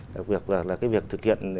đặc biệt là cái việc thực hiện